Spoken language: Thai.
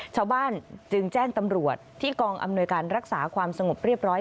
ชาวบ้านจึงแจ้งตำรวจที่กองอำนวยการรักษาความสงบเรียบร้อย